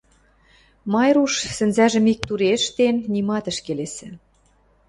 Майруш, сӹнзӓжӹм ик туре ӹштен, нимат ӹш келесӹ